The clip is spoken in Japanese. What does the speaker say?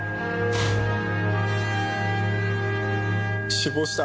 死亡した？